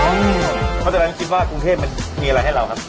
เพราะฉะนั้นคิดว่ากรุงเทพมันมีอะไรให้เราครับ